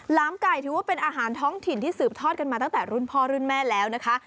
ลามไก่ถือว่าเป็นอาหารท้องถิ่นที่สืบทอดกันมาตั้งแต่รุ่นพ่อรุ่นแม่แล้วนะคะ